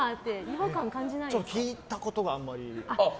ちょっと聴いたことがあんまり。